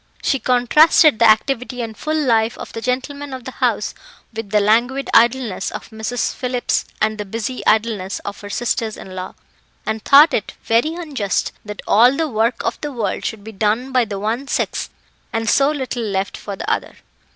She contrasted the activity and full life of the gentlemen of the house with the languid idleness of Mrs. Phillips and the busy idleness of her sisters in law, and thought it very unjust that all the work of the world should be done by the one sex and so little left for the other.